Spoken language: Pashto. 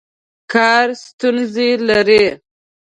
کار ستونزې لري.